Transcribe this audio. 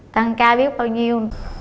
tăng ca biết bao nhiêu